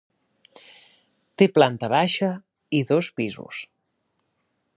Té planta baix ai dos pisos.